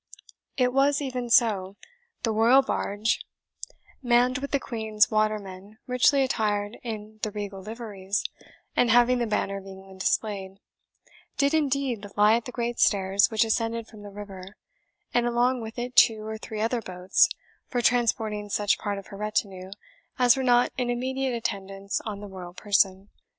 It was even so. The royal barge, manned with the Queen's watermen richly attired in the regal liveries, and having the Banner of England displayed, did indeed lie at the great stairs which ascended from the river, and along with it two or three other boats for transporting such part of her retinue as were not in immediate attendance on the royal person.